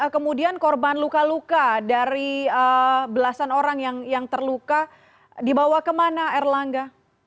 kemudian korban luka luka dari belasan orang yang terluka dibawa kemana erlangga